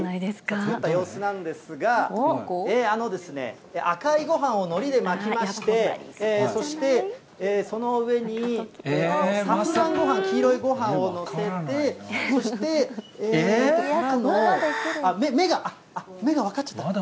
作った様子なんですが、あのですね、赤いごはんをのりで巻きまして、そしてその上にサフランごはん、黄色いごはんを載せて、そして、からの、目、目が、目が分かっちゃった。